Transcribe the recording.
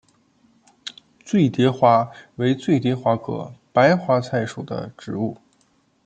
醉蝶花为醉蝶花科白花菜属的植物。